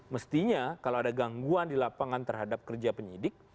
mestinya kalau ada gangguan di lapangan terhadap kerja penyidik